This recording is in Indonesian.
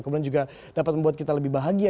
kemudian juga dapat membuat kita lebih bahagia